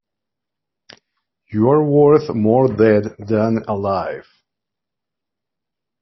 You're worth more dead than alive.